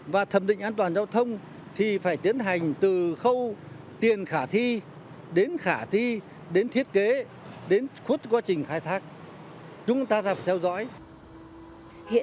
và thẩm định an toàn giao thông thì phải tiến hành từ khâu tiền khả thi đến khả thi đến thiết kế đến khuất quá trình